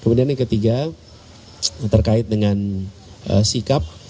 kemudian yang ketiga terkait dengan sikap